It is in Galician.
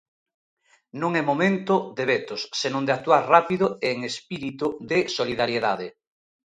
Non é momento de vetos senón de actuar rápido e en espírito de solidariedade.